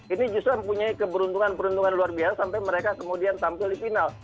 ini justru mempunyai keberuntungan peruntungan luar biasa sampai mereka kemudian tampil di final